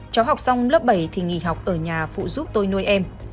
cháu học xong lớp bảy thì nghỉ học ở nhà phụ giúp tôi nuôi em